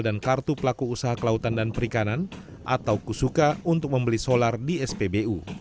dan kartu pelaku usaha kelautan dan perikanan atau kusuka untuk membeli solar di spbu